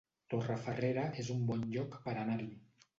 Torrefarrera es un bon lloc per anar-hi